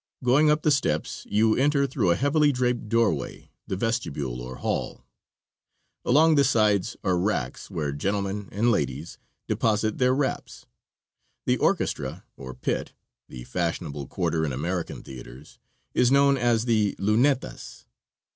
Going up the steps you enter, through a heavily draped doorway, the vestibule or hall. Along the sides are racks where gentlemen and ladies deposit their wraps. The orchestra, or pit the fashionable quarter in American theaters is known as the "Lunetas."